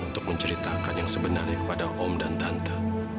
untuk menceritakan yang sebenarnya kepada om dan tante